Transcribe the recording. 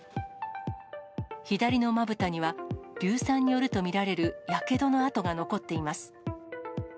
左のまぶたには、硫酸によると見られるやけどの痕が残っています。